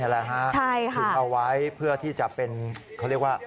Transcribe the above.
คุมเอาไว้เพื่อที่จะเป็นเขาเรียกว่า